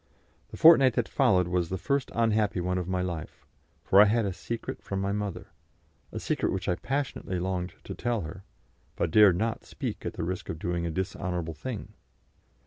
The fortnight that followed was the first unhappy one of my life, for I had a secret from my mother, a secret which I passionately longed to tell her, but dared not speak at the risk of doing a dishonourable thing.